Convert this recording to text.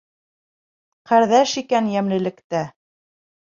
Ҡәрҙәш икән йәмлелектә.